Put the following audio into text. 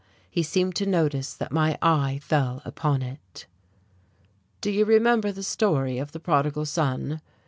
He seemed to notice that my eye fell upon it. "Do you remember the story of the Prodigal Son?"